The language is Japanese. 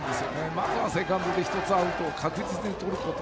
まずはセカンドで１つアウトを確実に取ること。